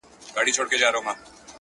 څوك به ګوري پر رحمان باندي فالونه؛